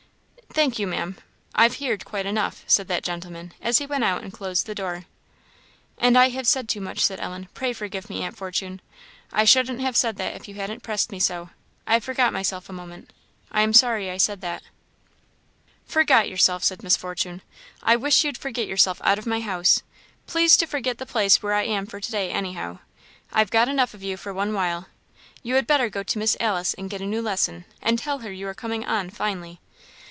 "Thank you, Maam, I've heerd quite enough," said that gentleman, as he went out and closed the door. "And I have said too much," said Ellen. "Pray forgive me, Aunt Fortune. I shouldn't have said that if you hadn't pressed me so; I forgot myself a moment. I am sorry I said that." "Forgot yourself!" said Miss Fortune; "I wish you'd forget yourself out of my house. Please to forget the place where I am for to day, anyhow; I've got enough of you for one while. You had better go to Miss Alice and get a new lesson, and tell her you are coming on finely."